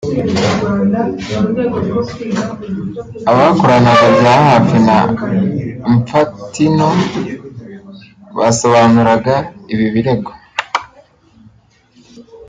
abakoranaga bya hafi na Infantino basobanuraga ibi birego